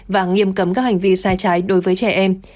và nghiêm cấm các hành vi sai trái đối với trẻ em